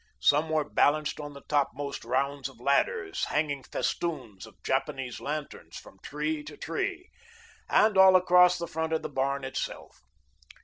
Some were balanced on the topmost rounds of ladders, hanging festoons of Japanese lanterns from tree to tree, and all across the front of the barn itself.